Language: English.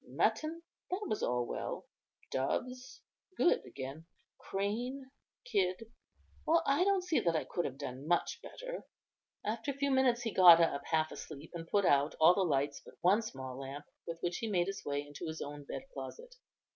Mutton, that was all well; doves, good again; crane, kid; well, I don't see that I could have done much better." After a few minutes he got up half asleep, and put out all the lights but one small lamp, with which he made his way into his own bed closet.